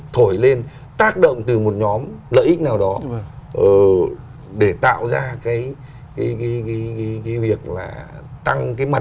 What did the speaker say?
thổi lên tác động từ một nhóm lợi ích nào đó để tạo ra cái việc là tăng cái mặt